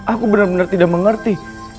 aku benar benar tidak mengerti